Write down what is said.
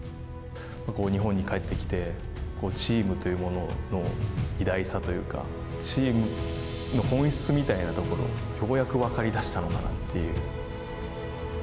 日本に帰ってきて、チームというものの偉大さというか、チームの本質みたいなところ、ようやく分かりだしたのかなという。